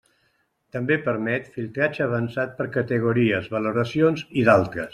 També permet filtratge avançat per categories, valoracions i d'altres.